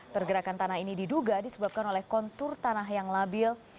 pergerakan tanah ini diduga disebabkan oleh kontur tanah yang labil